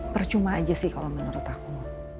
percuma aja sih kalau menurut aku